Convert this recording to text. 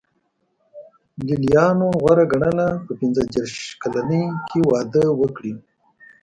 لېلیانو غوره ګڼله په پنځه دېرش کلنۍ کې واده وکړي.